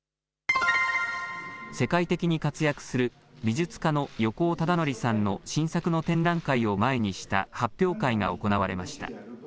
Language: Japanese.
世界的に活躍する美術家の横尾忠則さんの新作の展覧会を前にした発表会が行われました。